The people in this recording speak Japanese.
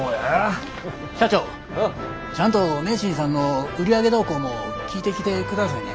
社長ちゃんと名神さんの売り上げ動向も聞いてきてくださいね。